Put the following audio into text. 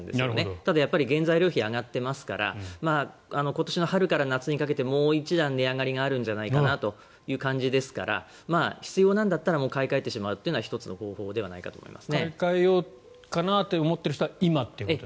ただやっぱり原材料費が上がっていますから今年の春から夏にかけてもう１段値上がりがあるんじゃないかという感じなので必要なんだったら買い替えてしまうというのは１つの方法ではないかと思います。